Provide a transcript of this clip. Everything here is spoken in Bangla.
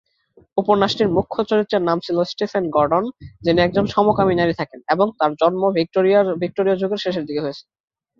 উপন্যাসটির মুখ্য চরিত্রের নাম ছিলো স্টিফেন গর্ডন যিনি একজন সমকামী নারী থাকেন এবং তার জন্ম ভিক্টোরীয় যুগের শেষের দিকে হয়েছে।